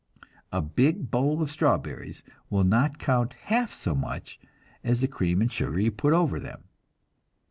A big bowl of strawberries will not count half so much as the cream and sugar you put over them.